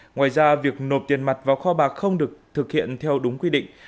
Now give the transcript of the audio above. ngoài ra việc nộp tiền mặt vào kho bạc không được thực hiện theo đúng quy định